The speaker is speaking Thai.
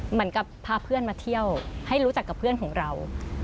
เหมือนกับพาเพื่อนมาเที่ยวให้รู้จักกับเพื่อนของเรา